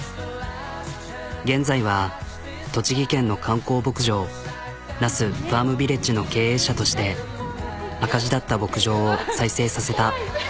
現在は栃木県の観光牧場ＮＡＳＵＦＡＲＭＶＩＬＬＡＧＥの経営者として赤字だった牧場を再生させた。